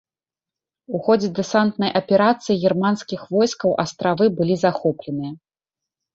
У ходзе дэсантнай аперацыі германскіх войскаў астравы былі захопленыя.